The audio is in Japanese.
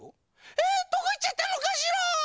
えどこいっちゃったのかしら？